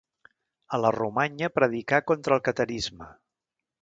A la Romanya predicà contra el catarisme.